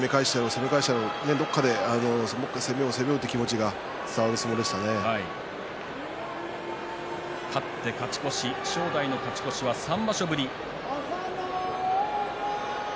攻め返してやろうと攻めよう攻めようという気持ちが勝って勝ち越し正代の勝ち越しは３場所ぶり。